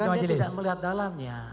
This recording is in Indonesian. karena dia tidak melihat dalamnya